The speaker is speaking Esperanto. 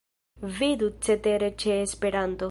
Vidu cetere ĉe Esperanto.